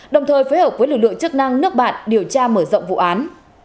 đồng thời phối hợp với lực lượng chức năng nước bạn điều tra mở rộng vụ án